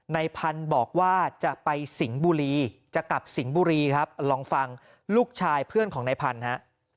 ในพันธุ์บอกว่าจะไปสิงห์บุรีจะกลับสิงห์บุรีครับลองฟังลูกชายเพื่อนของนายพันธุ์ฮะ